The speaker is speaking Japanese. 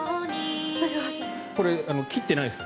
これ、切ってないです。